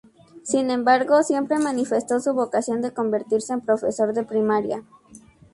Sin embargo, siempre manifestó su vocación de convertirse en profesor de primaria.